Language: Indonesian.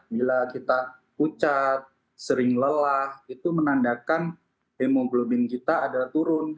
bila kita pucat sering lelah itu menandakan hemoglobin kita adalah turun